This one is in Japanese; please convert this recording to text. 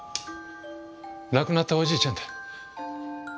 亡くなったおじいちゃんだ。